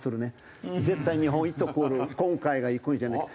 絶対日本いいところ今回はいくんじゃない？